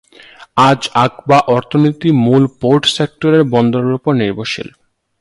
আজ, আকাবা অর্থনীতি মূলত পোর্ট সেক্টরের বন্দরের উপর নির্ভরশীল।